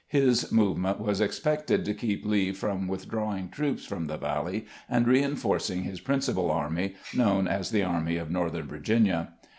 His movement was expected to keep Lee from with 35 36 CAMPAIGNING WITH GEANT drawing troops from the valley, and reinforcing his principal army, known as the Army of Northern Vir ginia.